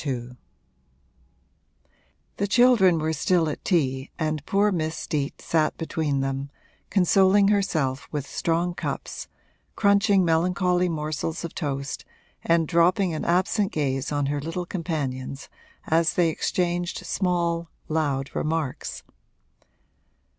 II The children were still at tea and poor Miss Steet sat between them, consoling herself with strong cups, crunching melancholy morsels of toast and dropping an absent gaze on her little companions as they exchanged small, loud remarks.